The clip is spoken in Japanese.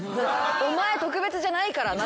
お前特別じゃないからな！